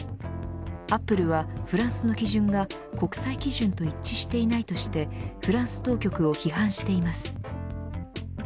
アップルはフランスの基準が国際基準と一致していないとしてフランス当局を批判しています。